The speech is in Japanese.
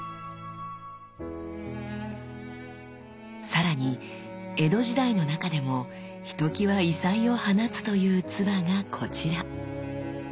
さらに江戸時代の中でもひときわ異彩を放つという鐔がこちら。